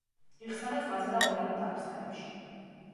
იხსნება წყალსა და ორგანულ გამხსნელებში.